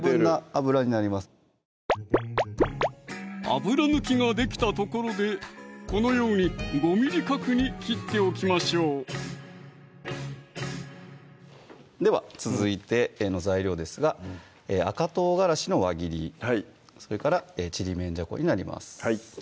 油抜きができたところでこのように５ｍｍ角に切っておきましょうでは続いての材料ですが赤唐辛子の輪切りそれからちりめんじゃこになります